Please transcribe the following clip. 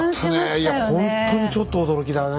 いやほんとにちょっと驚きだね。